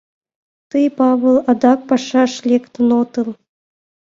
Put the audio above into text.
Тый, Павыл, адак пашаш лектын отыл?